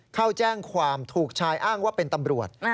เข้าแจ้งความถูกชายอ้างว่าเป็นตำรวจ